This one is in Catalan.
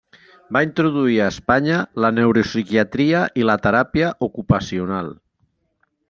Va introduir a Espanya la neuropsiquiatria i la teràpia ocupacional.